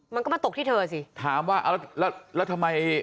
มันก็มาตกที่เธอสิ